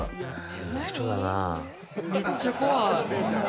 変な人だな。